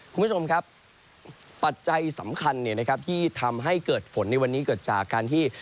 คุณผู้ชมครับปัจจัยสำคัญที่ทำให้เกิดฝนในวันนี้เกิดจากการที่